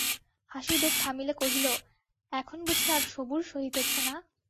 হাসির বেগ থামিলে কহিল, এখন বুঝি আর সবুর সহিতেছে না?